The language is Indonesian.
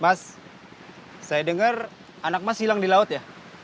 mas saya dengar anak mas hilang di laut ya